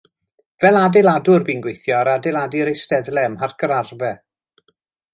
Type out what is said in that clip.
Fel adeiladwr bu'n gweithio ar adeiladu'r eisteddle ym Mharc yr Arfau.